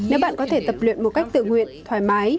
nếu bạn có thể tập luyện một cách tự nguyện thoải mái